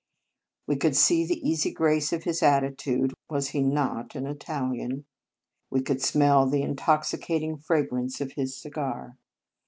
We could see the easy grace of his attitude, was he not an Italian ? we could smell the intoxicating fra 20 Marianus grance of his cigar.